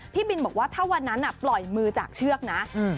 พี่บินบอกว่าถ้าวันนั้นปล่อยมือจากเชือกนะ